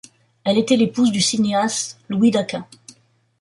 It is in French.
Elle était l'épouse du cinéaste Louis Daquin.